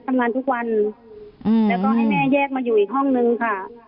ทำงานทุกวันแล้วก็ให้แม่แยกมาอยู่อีกห้องนึงค่ะ